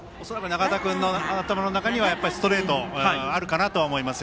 永田君の頭の中にはストレートがあると思います。